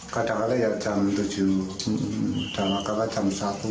kadang kadang jam tujuh dalam akal jam satu